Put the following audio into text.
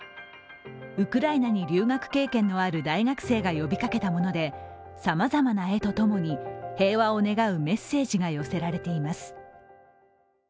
ウクライナに留学経験のある大学生が呼びかけたものでさまざまな絵と共に平和を願うメッセージが寄せられています。